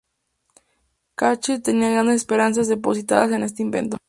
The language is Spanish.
Cahill tenía grandes esperanzas depositadas en este invento.